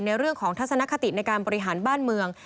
ในเรื่องของทัศนคติในการบริหารบ้านเมือง